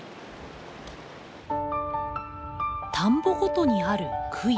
田んぼごとにある杭。